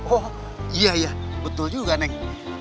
oh iya iya betul juga neng